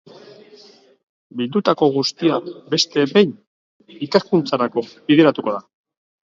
Bildutako guztia beste behin ikerkuntzarako bideratuko da.